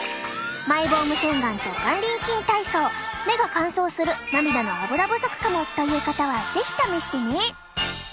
マイボーム洗顔と眼輪筋体操目が乾燥する涙のアブラ不足かもという方は是非試してね！